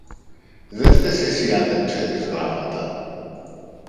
Δε φταις εσύ αν δεν ξέρεις γράμματα!